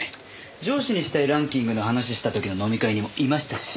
上司にしたいランキングの話した時の飲み会にもいましたし。